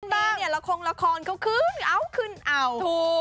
ตอนนี้เนี่ยละครเขาขึ้นเอ้าขึ้นเอ้าถูก